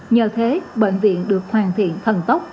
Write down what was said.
nhờ thế bệnh viện được hoàn thiện thần tốc